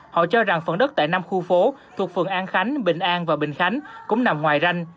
họ cho rằng phần đất tại năm khu phố thuộc phường an khánh bình an và bình khánh cũng nằm ngoài ranh